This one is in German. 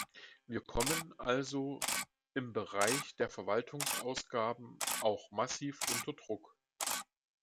Wir kommen also im Bereich der Verwaltungsausgaben auch massiv unter Druck.